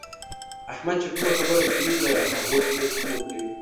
احمد چې کومه خبره کوي، د هغو ثبوت هم ورکوي.